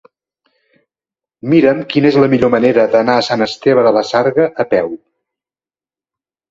Mira'm quina és la millor manera d'anar a Sant Esteve de la Sarga a peu.